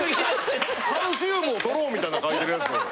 カルシウムをとろうみたいな書いてるやつを。